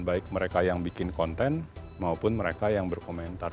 baik mereka yang bikin konten maupun mereka yang berkomentar